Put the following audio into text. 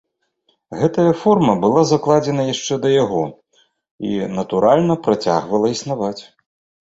Гэтая форма была закладзена яшчэ да яго і, натуральна, працягвала існаваць.